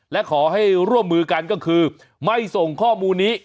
และขอให้ร่วมมือกันก็คือไม่ส่งข้อมูลนี้